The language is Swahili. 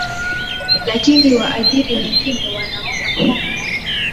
lakini waajiri wengine wanaona kwamba